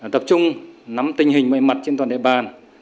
tập trung nắm tình hình mây mặt trên toàn địa bàn